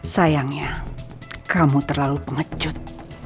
sayangnya kamu terlalu pengecut